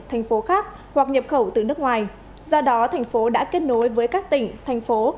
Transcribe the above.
thành phố khác hoặc nhập khẩu từ nước ngoài do đó thành phố đã kết nối với các tỉnh thành phố